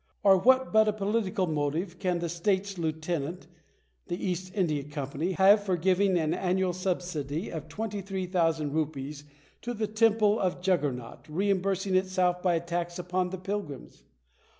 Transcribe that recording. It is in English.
Or what but a political motive can that States' lieutenant — the East India Company — have for giving an annual subsidy of 23,000 rupees to the temple of Juggernaut, reimbursing itself by a tax upon the pilgrims